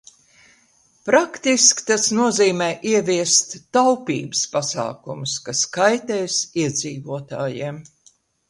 Praktiski tas nozīmē ieviest taupības pasākumus, kas kaitēs iedzīvotājiem.